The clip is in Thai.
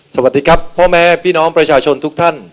สวัสดีครับพ่อแม่พี่น้องประชาชนทุกท่าน